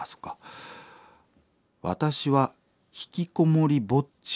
私はひきこもりぼっちです。